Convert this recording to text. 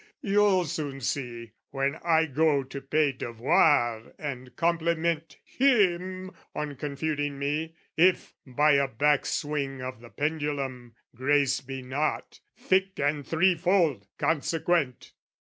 "You'll soon see, when I go to pay devoir "And compliment him on confuting me, "If, by a back swing of the pendulum, "Grace be not, thick and threefold, consequent!